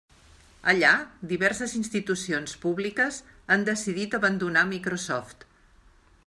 Allà, diverses institucions públiques han decidit abandonar Microsoft.